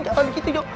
jangan begitu jok